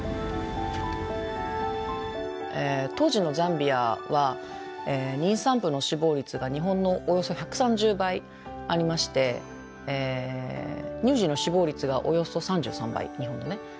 当時のザンビアは妊産婦の死亡率が日本のおよそ１３０倍ありまして乳児の死亡率がおよそ３３倍日本のね。